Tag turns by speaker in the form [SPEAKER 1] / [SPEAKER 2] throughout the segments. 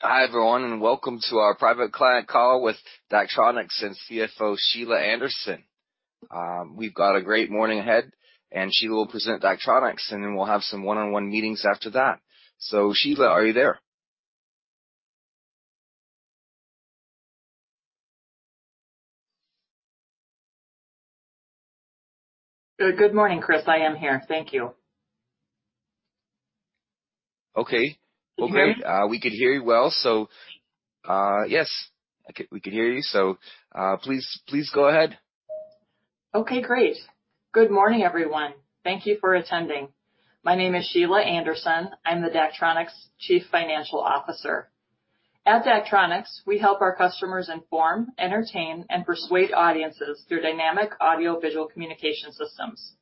[SPEAKER 1] Hi, everyone, and welcome to our private client call with Daktronics and CFO Sheila Anderson. We've got a great morning ahead, and Sheila will present Daktronics, and then we'll have some one-on-one meetings after that. Sheila, are you there?
[SPEAKER 2] Good morning, Chris. I am here. Thank you.
[SPEAKER 1] Okay.
[SPEAKER 2] Can you hear me?
[SPEAKER 1] Okay, we can hear you well. So, yes, we can hear you. So, please, please go ahead.
[SPEAKER 2] Okay, great. Good morning, everyone. Thank you for attending. My name is Sheila Anderson. I'm the Daktronics Chief Financial Officer. At Daktronics, we help our customers inform, entertain, and persuade audiences through dynamic audiovisual communication systems.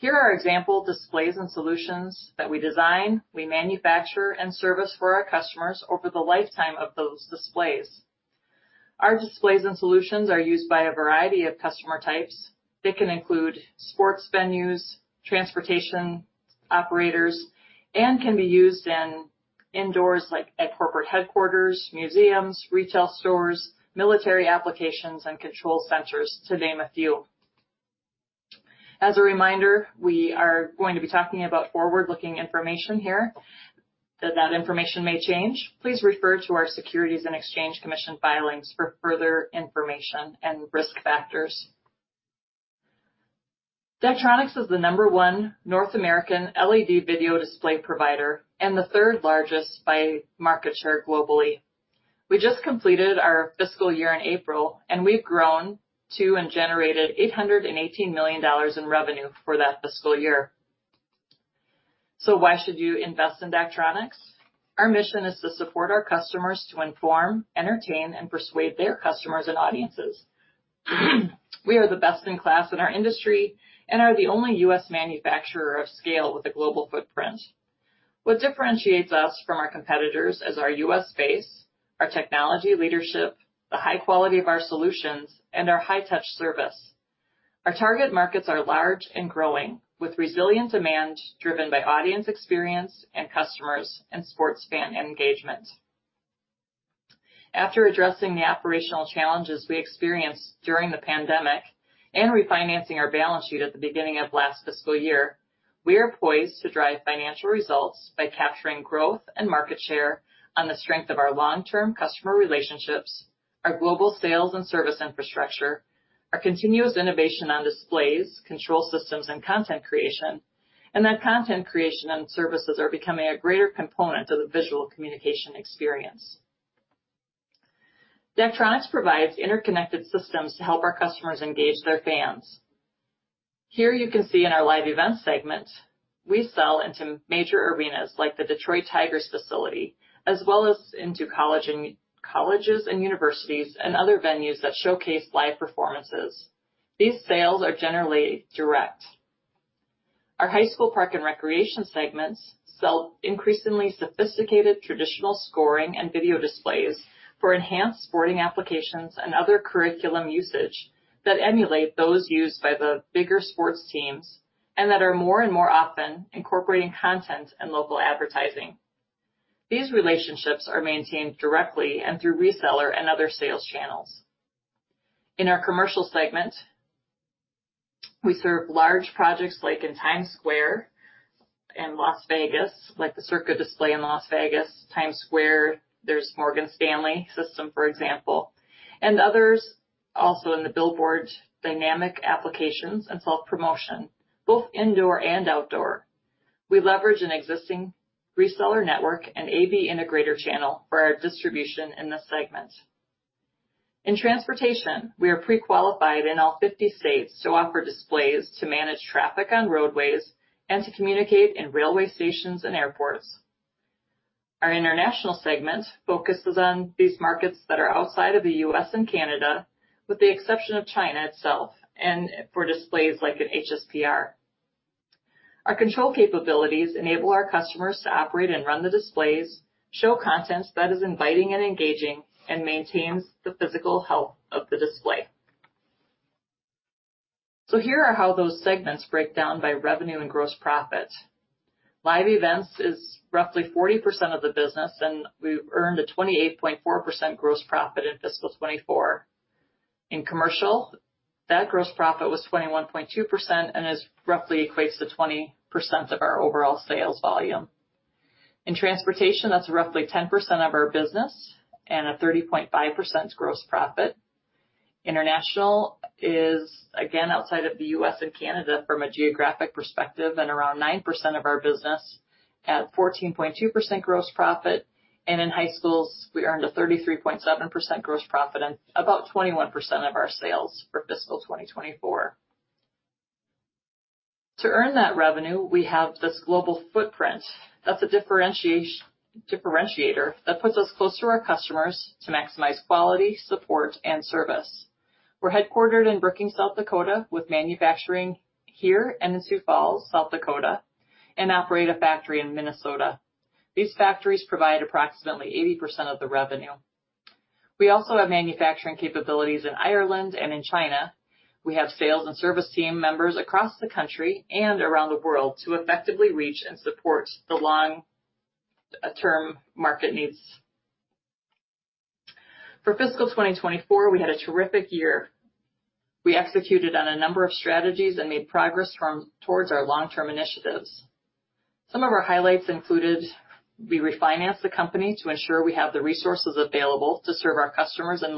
[SPEAKER 2] Here are example displays and solutions that we design, we manufacture and service for our customers over the lifetime of those displays. Our displays and solutions are used by a variety of customer types. They can include sports venues, transportation operators, and can be used in indoors, like at corporate headquarters, museums, retail stores, military applications, and control centers, to name a few. As a reminder, we are going to be talking about forward-looking information here, that information may change. Please refer to our Securities and Exchange Commission filings for further information and risk factors. Daktronics is the number one North American LED video display provider, and the third largest by market share globally. We just completed our fiscal year in April, and we've grown to and generated $818 million in revenue for that fiscal year. So why should you invest in Daktronics? Our mission is to support our customers to inform, entertain, and persuade their customers and audiences. We are the best in class in our industry and are the only US manufacturer of scale with a global footprint. What differentiates us from our competitors is our US base, our technology leadership, the high quality of our solutions, and our high touch service. Our target markets are large and growing, with resilient demand, driven by audience experience and customers and sports fan engagement. After addressing the operational challenges we experienced during the pandemic and refinancing our balance sheet at the beginning of last fiscal year, we are poised to drive financial results by capturing growth and market share on the strength of our long-term customer relationships, our global sales and service infrastructure, our continuous innovation on displays, control systems, and content creation, and that content creation and services are becoming a greater component of the visual communication experience. Daktronics provides interconnected systems to help our customers engage their fans. Here you can see in our live event segment, we sell into major arenas like the Detroit Tigers facility, as well as into colleges and universities and other venues that showcase live performances. These sales are generally direct. Our High School Park and Recreation segments sell increasingly sophisticated traditional scoring and video displays for enhanced sporting applications and other curriculum usage that emulate those used by the bigger sports teams, and that are more and more often incorporating content and local advertising. These relationships are maintained directly and through reseller and other sales channels. In our commercial segment, we serve large projects like in Times Square and Las Vegas, like the Circa display in Las Vegas, Times Square, there's Morgan Stanley system, for example, and others also in the billboard dynamic applications and self-promotion, both indoor and outdoor. We leverage an existing reseller network and AV integrator channel for our distribution in this segment. In transportation, we are pre-qualified in all 50 states to offer displays, to manage traffic on roadways, and to communicate in railway stations and airports. Our international segment focuses on these markets that are outside of the U.S. and Canada, with the exception of China itself, and for displays like in HSPR. Our control capabilities enable our customers to operate and run the displays, show content that is inviting and engaging, and maintains the physical health of the display. So here are how those segments break down by revenue and gross profit. Live Events is roughly 40% of the business, and we've earned a 28.4% gross profit in fiscal 2024. In Commercial, that gross profit was 21.2% and is roughly equates to 20% of our overall sales volume. In Transportation, that's roughly 10% of our business and a 30.5% gross profit. International is, again, outside of the U.S. and Canada from a geographic perspective, and around 9% of our business at 14.2% gross profit. In High Schools, we earned a 33.7% gross profit and about 21% of our sales for fiscal 2024. To earn that revenue, we have this global footprint. That's a differentiator that puts us close to our customers to maximize quality, support, and service. We're headquartered in Brookings, South Dakota, with manufacturing here in Sioux Falls, South Dakota, and operate a factory in Minnesota. These factories provide approximately 80% of the revenue. We also have manufacturing capabilities in Ireland and in China. We have sales and service team members across the country and around the world to effectively reach and support the long-term market needs. For fiscal 2024, we had a terrific year. We executed on a number of strategies and made progress towards our long-term initiatives. Some of our highlights included: We refinanced the company to ensure we have the resources available to serve our customers and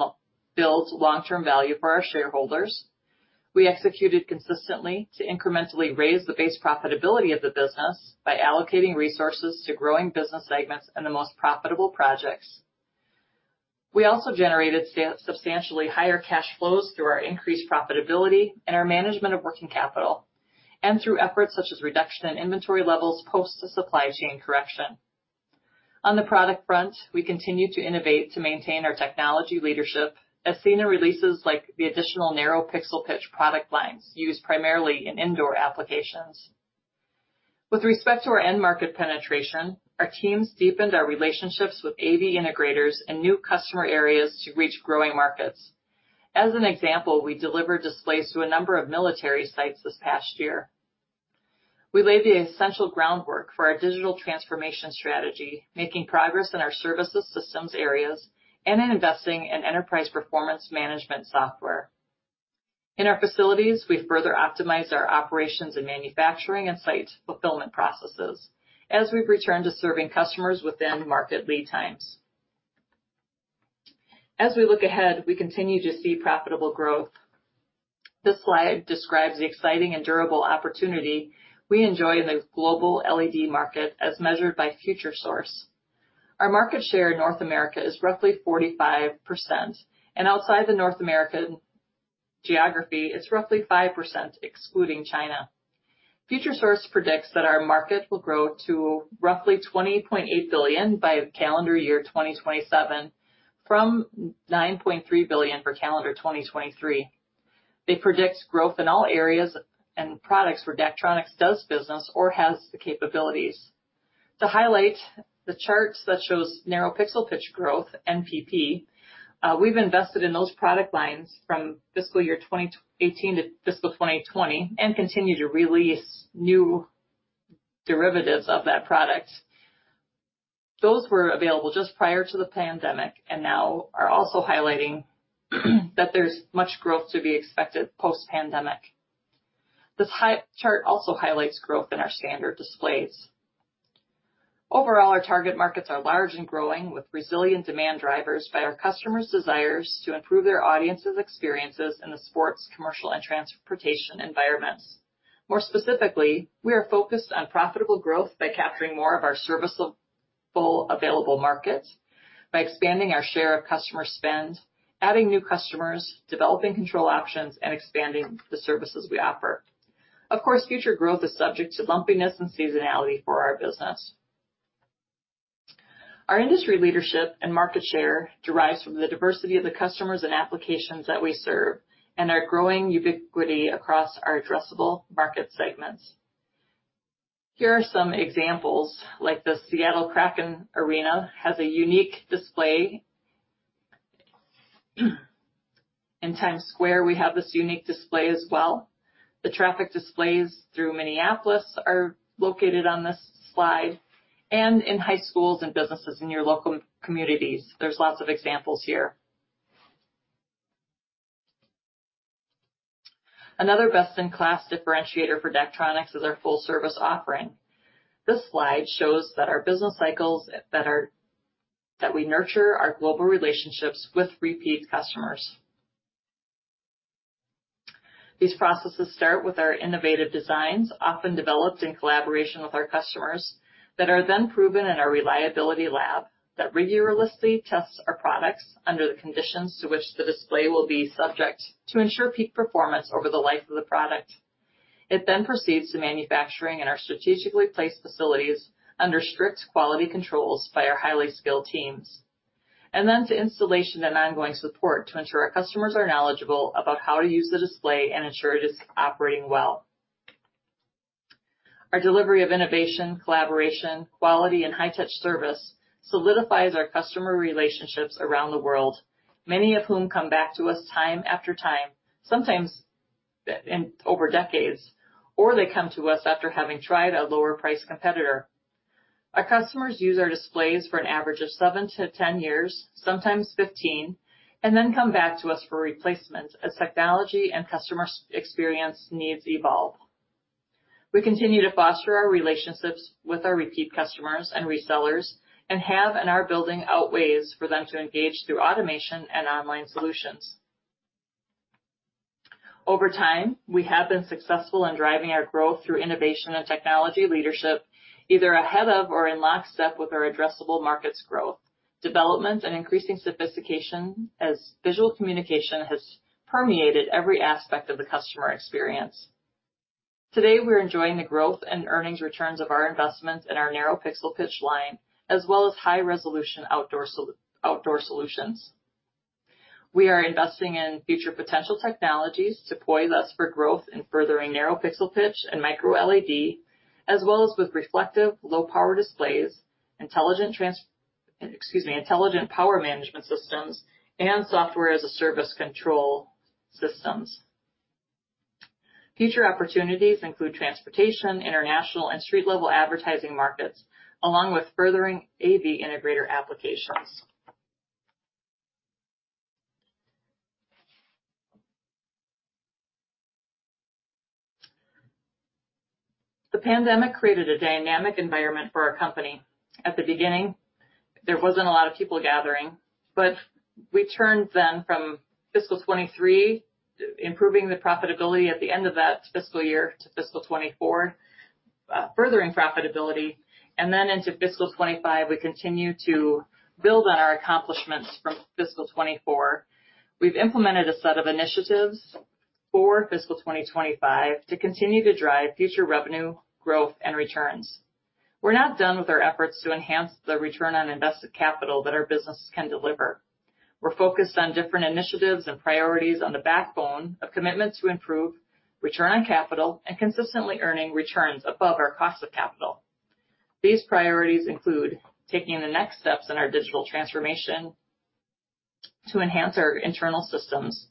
[SPEAKER 2] build long-term value for our shareholders. We executed consistently to incrementally raise the base profitability of the business by allocating resources to growing business segments and the most profitable projects. We also generated substantially higher cash flows through our increased profitability and our management of working capital, and through efforts such as reduction in inventory levels post the supply chain correction. On the product front, we continue to innovate to maintain our technology leadership, as seen in releases like the additional narrow pixel pitch product lines used primarily in indoor applications. With respect to our end market penetration, our teams deepened our relationships with AV integrators and new customer areas to reach growing markets. As an example, we delivered displays to a number of military sites this past year. We laid the essential groundwork for our digital transformation strategy, making progress in our services systems areas, and in investing in enterprise performance management software. In our facilities, we've further optimized our operations and manufacturing and site fulfillment processes as we've returned to serving customers within market lead times. As we look ahead, we continue to see profitable growth. This slide describes the exciting and durable opportunity we enjoy in the global LED market as measured by Futuresource. Our market share in North America is roughly 45%, and outside the North American geography, it's roughly 5%, excluding China. Futuresource predicts that our market will grow to roughly $20.8 billion by calendar year 2027, from nine point three billion for calendar 2023. They predict growth in all areas and products where Daktronics does business or has the capabilities. To highlight the charts that shows narrow pixel pitch growth, NPP, we've invested in those product lines from fiscal year twenty eighteen to fiscal 2020 and continue to release new derivatives of that product. Those were available just prior to the pandemic and now are also highlighting that there's much growth to be expected post-pandemic. This chart also highlights growth in our standard displays. Overall, our target markets are large and growing, with resilient demand drivers by our customers' desires to improve their audiences' experiences in the sports, commercial, and transportation environments. More specifically, we are focused on profitable growth by capturing more of our serviceable available market, by expanding our share of customer spend, adding new customers, developing control options, and expanding the services we offer. Of course, future growth is subject to lumpiness and seasonality for our business. Our industry leadership and market share derives from the diversity of the customers and applications that we serve and our growing ubiquity across our addressable market segments. Here are some examples, like the Seattle Kraken Arena has a unique display. In Times Square, we have this unique display as well. The traffic displays through Minneapolis are located on this slide and in High Schools and businesses in your local communities. There's lots of examples here. Another best-in-class differentiator for Daktronics is our full service offering. This slide shows that our business cycles that we nurture our global relationships with repeat customers. These processes start with our innovative designs, often developed in collaboration with our customers, that are then proven in our reliability lab, that realistically tests our products under the conditions to which the display will be subject, to ensure peak performance over the life of the product. It then proceeds to manufacturing in our strategically placed facilities under strict quality controls by our highly skilled teams, and then to installation and ongoing support to ensure our customers are knowledgeable about how to use the display and ensure it is operating well. Our delivery of innovation, collaboration, quality, and high-touch service solidifies our customer relationships around the world, many of whom come back to us time after time, sometimes over decades, or they come to us after having tried a lower-priced competitor. Our customers use our displays for an average of 7-10 years, sometimes 15 years, and then come back to us for replacement as technology and customer experience needs evolve. We continue to foster our relationships with our repeat customers and resellers, and have and are building out ways for them to engage through automation and online solutions. Over time, we have been successful in driving our growth through innovation and technology leadership, either ahead of or in lockstep with our addressable markets growth, development, and increasing sophistication as visual communication has permeated every aspect of the customer experience. Today, we're enjoying the growth and earnings returns of our investments in our narrow pixel pitch line, as well as high-resolution outdoor solutions. We are investing in future potential technologies to poise us for growth in furthering narrow pixel pitch and microLED, as well as with reflective low power displays, intelligent power management systems, and software-as-a-service control systems. Future opportunities include transportation, international, and street-level advertising markets, along with furthering AV integrator applications. The pandemic created a dynamic environment for our company. At the beginning, there wasn't a lot of people gathering, but we turned then from fiscal 2023, improving the profitability at the end of that fiscal year to fiscal 2024, furthering profitability, and then into fiscal 2025, we continued to build on our accomplishments from fiscal 2024.We've implemented a set of initiatives for fiscal 2025 to continue to drive future revenue, growth, and returns. We're not done with our efforts to enhance the return on invested capital that our business can deliver. We're focused on different initiatives and priorities on the backbone of commitments to improve return on capital and consistently earning returns above our cost of capital. These priorities include taking the next steps in our digital transformation to enhance our internal systems.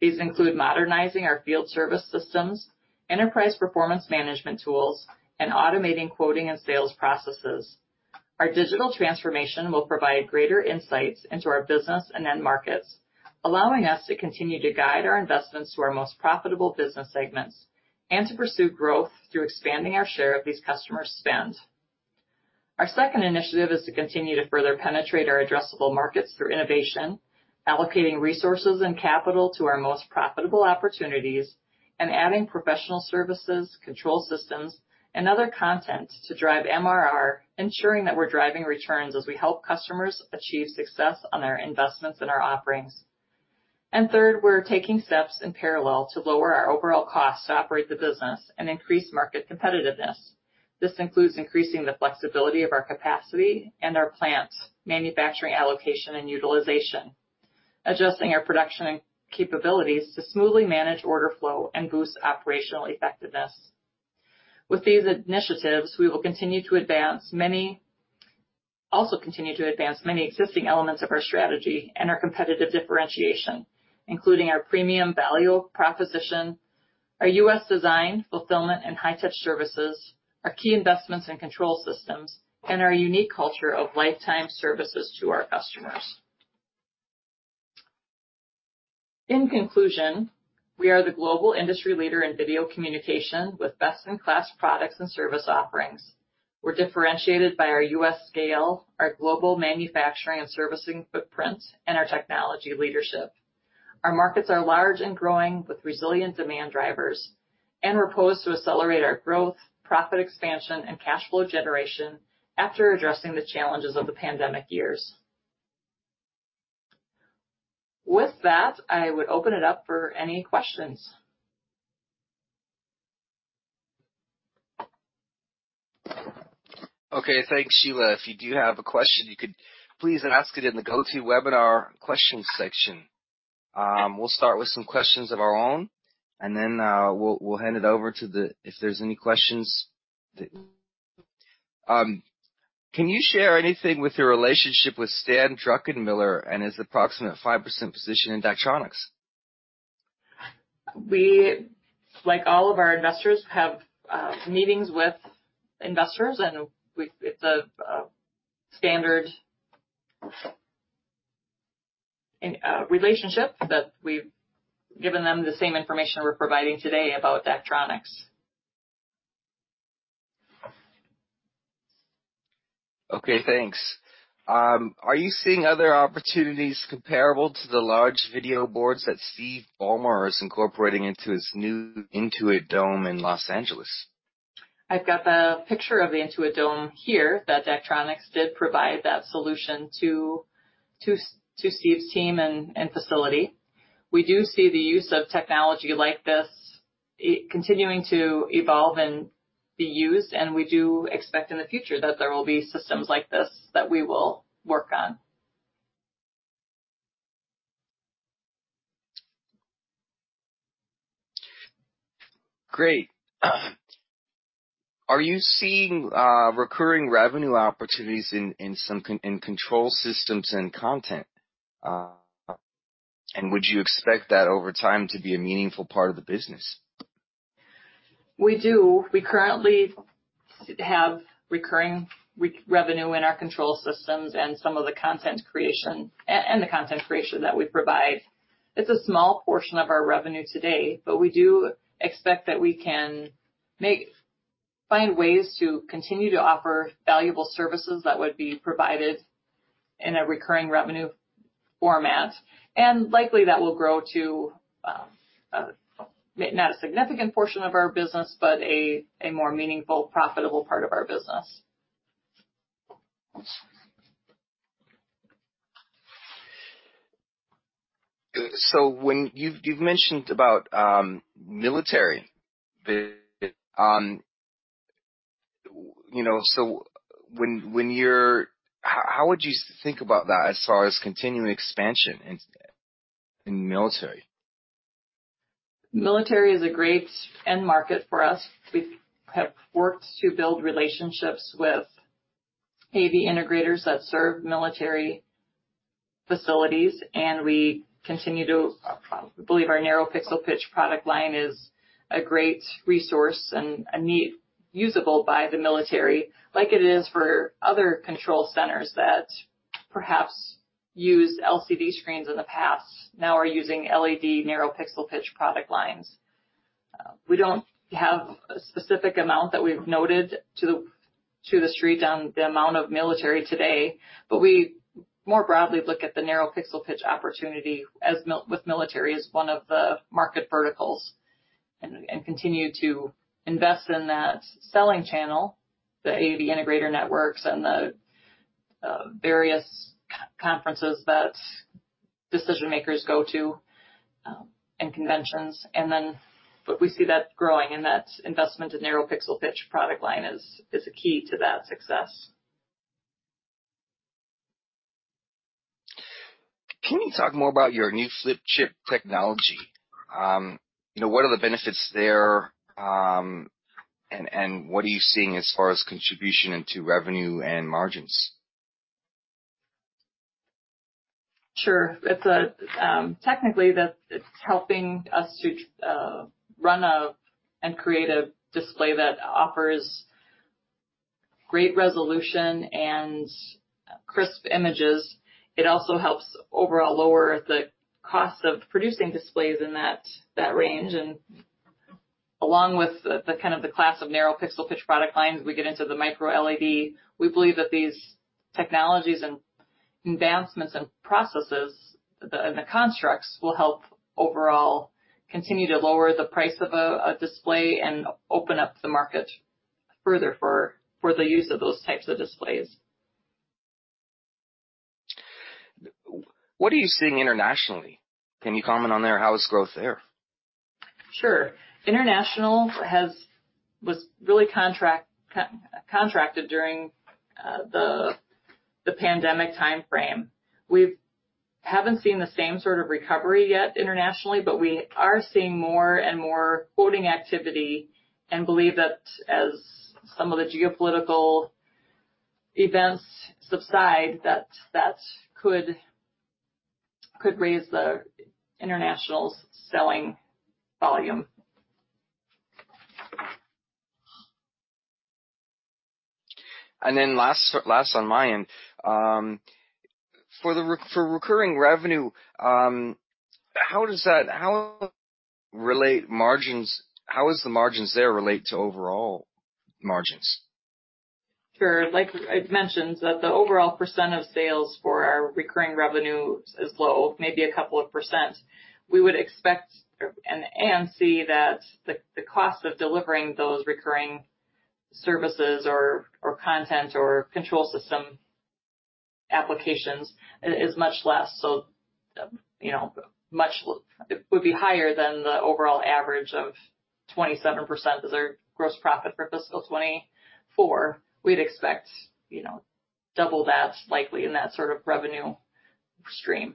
[SPEAKER 2] These include modernizing our field service systems, enterprise performance management tools, and automating quoting and sales processes. Our digital transformation will provide greater insights into our business and end markets, allowing us to continue to guide our investments to our most profitable business segments, and to pursue growth through expanding our share of these customers' spend. Our second initiative is to continue to further penetrate our addressable markets through innovation, allocating resources and capital to our most profitable opportunities, and adding professional services, control systems, and other content to drive MRR, ensuring that we're driving returns as we help customers achieve success on their investments in our offerings. Third, we're taking steps in parallel to lower our overall costs to operate the business and increase market competitiveness. This includes increasing the flexibility of our capacity and our plants, manufacturing allocation and utilization, adjusting our production and capabilities to smoothly manage order flow and boost operational effectiveness. With these initiatives, we will continue to advance many existing elements of our strategy and our competitive differentiation, including our premium value proposition, our US design, fulfillment, and high-touch services, our key investments in control systems, and our unique culture of lifetime services to our customers. In conclusion, we are the global industry leader in video communication with best-in-class products and service offerings. We're differentiated by our US scale, our global manufacturing and servicing footprints, and our technology leadership. Our markets are large and growing with resilient demand drivers, and we're poised to accelerate our growth, profit expansion, and cash flow generation after addressing the challenges of the pandemic years. With that, I would open it up for any questions.
[SPEAKER 1] Okay, thanks, Sheila. If you do have a question, you could please ask it in the GoToWebinar questions section. We'll start with some questions of our own, and then we'll hand it over to the... If there's any questions. Can you share anything with your relationship with Stan Druckenmiller and his approximate 5% position in Daktronics?
[SPEAKER 2] We, like all of our investors, have meetings with investors, and it's a standard relationship that we've given them the same information we're providing today about Daktronics.
[SPEAKER 1] Okay, thanks. Are you seeing other opportunities comparable to the large video boards that Steve Ballmer is incorporating into his new Intuit Dome in Los Angeles?
[SPEAKER 2] I've got the picture of the Intuit Dome here, that Daktronics did provide that solution to Steve's team and facility. We do see the use of technology like this, it continuing to evolve and be used, and we do expect in the future that there will be systems like this that we will work on.
[SPEAKER 1] Great. Are you seeing recurring revenue opportunities in some control systems and content? And would you expect that over time to be a meaningful part of the business?
[SPEAKER 2] We do. We currently have recurring revenue in our control systems and some of the content creation, and the content creation that we provide. It's a small portion of our revenue today, but we do expect that we can find ways to continue to offer valuable services that would be provided in a recurring revenue format, and likely that will grow to not a significant portion of our business, but a more meaningful, profitable part of our business.
[SPEAKER 1] You know, so when you're how would you think about that as far as continuing expansion in military?
[SPEAKER 2] Military is a great end market for us. We have worked to build relationships with AV integrators that serve military facilities, and we continue to believe our narrow pixel pitch product line is a great resource and a need usable by the military, like it is for other control centers that perhaps used LCD screens in the past, now are using LED narrow pixel pitch product lines. We don't have a specific amount that we've noted to the street on the amount of military today, but we more broadly look at the narrow pixel pitch opportunity as with military, as one of the market verticals, and continue to invest in that selling channel, the AV integrator networks and the various conferences that decision makers go to, and conventions. But we see that growing, and that investment in Narrow Pixel Pitch product line is a key to that success.
[SPEAKER 1] Can you talk more about your new flip-chip technology? You know, what are the benefits there? And what are you seeing as far as contribution into revenue and margins?
[SPEAKER 2] Sure. It's a, technically, that it's helping us to, run and create a display that offers great resolution and crisp images. It also helps overall lower the cost of producing displays in that, that range. And along with the, the kind of the class of Narrow Pixel Pitch product lines, we get into the MicroLED. We believe that these technologies and advancements and processes, the, and the constructs, will help overall continue to lower the price of a, a display and open up the market further for, for the use of those types of displays.
[SPEAKER 1] What are you seeing internationally? Can you comment on there? How is growth there?
[SPEAKER 2] Sure. International was really contracted during the pandemic timeframe. We haven't seen the same sort of recovery yet internationally, but we are seeing more and more quoting activity, and believe that as some of the geopolitical events subside, that could raise the international selling volume.
[SPEAKER 1] And then last on my end. For recurring revenue, how is the margins there relate to overall margins?
[SPEAKER 2] Sure. Like I've mentioned, that the overall percent of sales for our recurring revenue is low, maybe a couple of percent. We would expect and see that the cost of delivering those recurring services or content or control system applications is much less, so, you know, It would be higher than the overall average of 27% is our gross profit for fiscal 2024. We'd expect, you know, double that likely in that sort of revenue stream.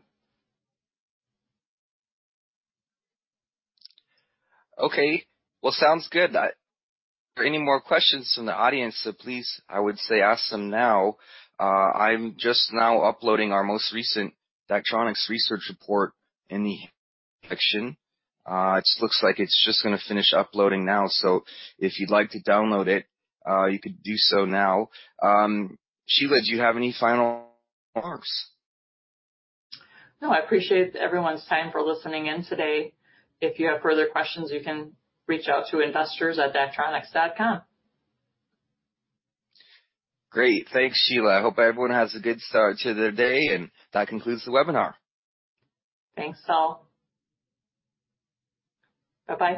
[SPEAKER 1] Okay, well, sounds good. Are there any more questions from the audience? So please, I would say ask them now. I'm just now uploading our most recent Daktronics research report in the section. It looks like it's just gonna finish uploading now. So if you'd like to download it, you could do so now. Sheila, do you have any final remarks?
[SPEAKER 2] No, I appreciate everyone's time for listening in today. If you have further questions, you can reach out to investors@daktronics.com.
[SPEAKER 1] Great. Thanks, Sheila. I hope everyone has a good start to their day, and that concludes the webinar.
[SPEAKER 2] Thanks, all. Bye-bye.